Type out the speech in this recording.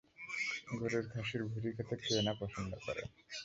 গরুর-খাসির ভুঁড়ি খেতে কে না পছন্দ করেন।